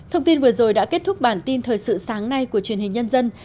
thông tin vừa rồi đã kết thúc bản tin thời sự sáng nay của truyền hình nhân dân